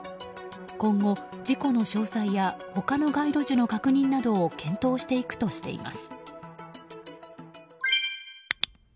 今後、事故の詳細や他の街路樹の確認などを検討していくとしています。